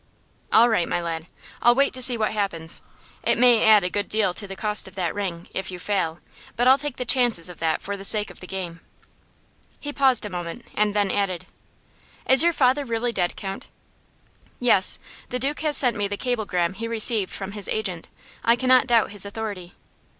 "All right, my lad. I'll wait to see what happens. It may add a good deal to the cost of that ring, if you fail; but I'll take the chances of that for the sake of the game." He paused a moment, and then added: "Is your father really dead, Count?" "Yes; the Duke has sent me the cablegram he received from his agent. I cannot doubt his authority.